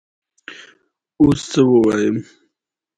Its Tudor name was a 'farthingale'.